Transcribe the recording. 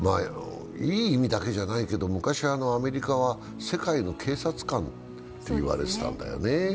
いい意味だけじゃないけど昔はアメリカは世界の警察官って言われてたんだよね。